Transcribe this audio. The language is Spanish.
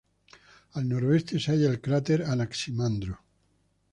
Al noroeste se halla el cráter Anaximandro.